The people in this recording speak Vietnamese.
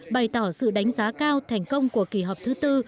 bày tỏ sự đánh giá cao thành công của kỳ họp thứ tư